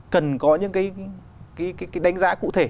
cần có những cái đánh giá cụ thể